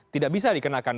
tidak bisa dikenakan